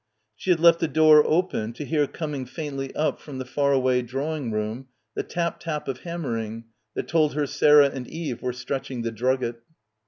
She had left the door open to hear coming faintly up from the far away drawing room the tap tap of hammering that told her Sarah and Eve were stretching the drugget.